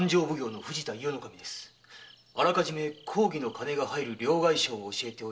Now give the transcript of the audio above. あらかじめ公儀の金が入る両替商を教えて盗み出させるのです。